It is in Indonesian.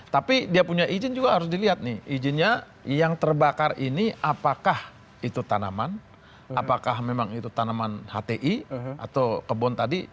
tapi dia punya izin juga harus dilihat nih izinnya yang terbakar ini apakah itu tanaman apakah memang itu tanaman hti atau kebon tadi